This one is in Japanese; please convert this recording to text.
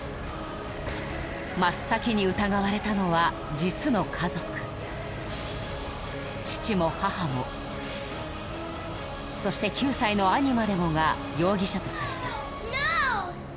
真っ先に疑われたのは実の家族父も母もそして９歳の兄までもが容疑者とされたノー！